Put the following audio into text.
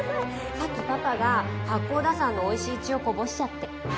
さっきパパが八甲田山のおいしい血をこぼしちゃって。